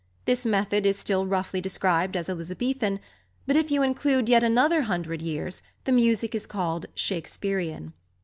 This method is still roughly described as Elizabethan, but if you include yet another hundred years the music is called Shakespearian.